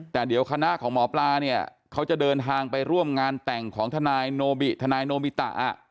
แต่เดี๋ยวคณะของหมอปลาเนี่ยเขาจะเดินทางไปร่วมงานแต่งของทนายโนบิทนายโนบิตะ